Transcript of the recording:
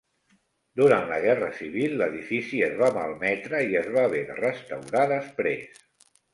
Durant la Guerra Civil l'edifici es va malmetre i es va haver de restaurar després.